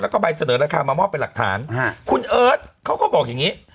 แล้วก็ใบเสนอราคามามอบเป็นหลักฐานคุณเอิร์ทเขาก็บอกอย่างงี้